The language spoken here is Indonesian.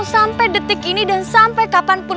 sampai detik ini dan sampai kapanpun